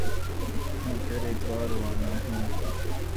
میں پھر ایک بار روانہ ہوں